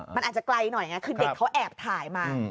มันอาจจะไกลหน่อยไงคือเด็กเขาแอบถ่ายมา